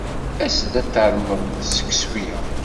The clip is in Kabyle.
As-d ad tarmed seksu-a.